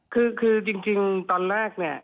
คือจริงตอนแรกเนี่ย